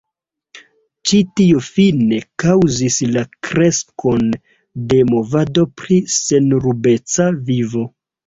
Ĉi tio fine kaŭzis la kreskon de movado pri senrubeca vivo.